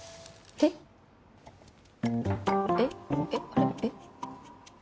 えっえっ？